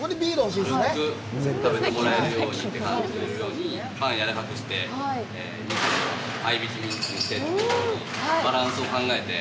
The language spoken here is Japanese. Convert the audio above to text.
軽く食べてもらえるようにって感じるようにパンをやわらかくして合いびきミンチにしてというふうにバランスを考えて。